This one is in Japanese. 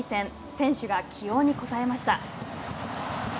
選手が起用に応えました。